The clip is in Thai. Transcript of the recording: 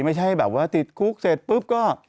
ไม่ใช่แบบว่าติดคุกเสร็จปุ๊บก็